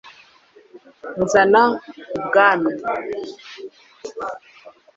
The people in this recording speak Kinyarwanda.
nzana ibwami